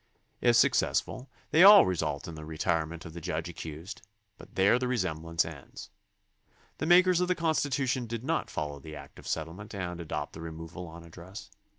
If successful, they all result in the re tirement of the judge accused, but there the resemblance ends. The makers of the Constitution did not follow the act of settlement and adopt the removal on ad dress.